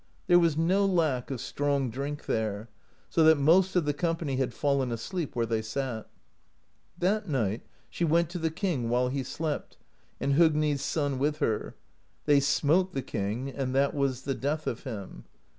There was no lack of strong drink there, so that most of the company had fallen asleep where they sat. That night she went to the king while he slept, and Hogni's son with her; they smote the king, and that was the death of him.